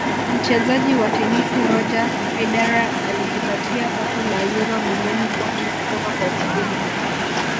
mchezaji wa tenisi Roger Federer alijipatia pato la uro milioni tisini kutoka kwa ufadhili